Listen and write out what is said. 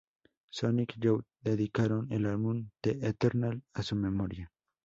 Sonic Youth dedicaron el álbum "The Eternal" a su memoria.